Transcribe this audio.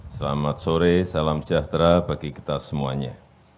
selamat sore salam sejahtera bagi kita semuanya